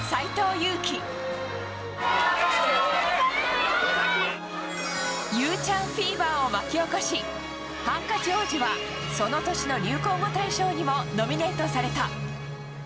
佑ちゃんフィーバーを巻き起こし、ハンカチ王子はその年の流行語大賞にもノミネートされた。